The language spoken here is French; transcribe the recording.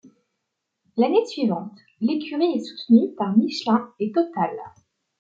L'année suivante, l'écurie est soutenue par Michelin et Total.